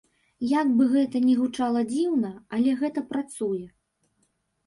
Як бы гэта ні гучала дзіўна, але гэта працуе.